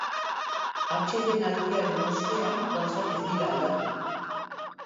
Atsedenaldiaren ostean gauzak ez dira aldatu.